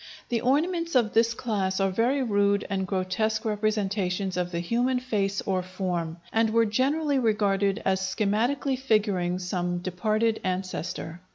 The ornaments of this class are very rude and grotesque representations of the human face or form, and were generally regarded as schematically figuring some departed ancestor.